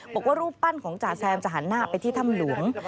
บอกว่ารูปปั้นของจ่าแซมจะหันหน้าไปที่ถ้ำหลวง